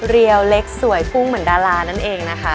เรียวเล็กสวยฟุ้งเหมือนดารานั่นเองนะคะ